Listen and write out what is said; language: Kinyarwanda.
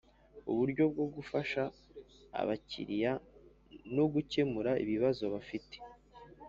Uburyo bwo gufasha abakiriya no gukemura ibibazo bafite